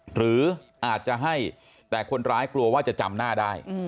หรืออาจจะให้แต่คนร้ายกลัวว่าจะจำหน้าได้